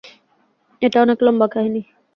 এটা অনেক লম্বা কাহিনী।